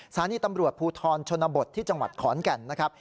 สถานีตำรวจภูทรชนบทที่จังหวัดขอนแก่นนะครับ